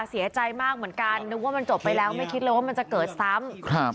เสียใจมากเหมือนกันนึกว่ามันจบไปแล้วไม่คิดเลยว่ามันจะเกิดซ้ำครับ